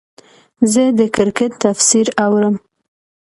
زه د کرکټ تفسیر اورم.